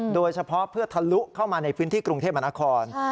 โดยเฉพาะเพื่อทะลุเข้ามาในพื้นที่กรุงเทพมหานคร